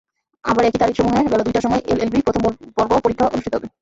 আবার একই তারিখসমূহে বেলা দুইটার সময় এলএলবি প্রথম পর্ব পরীক্ষা অনুষ্ঠিত হবে।